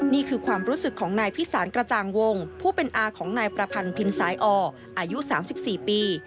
นี่คือความรู้สึกของนายพิสารกระจ่างวงผู้เป็นอาของนายประพันธ์พินสายอ่ออายุ๓๔ปี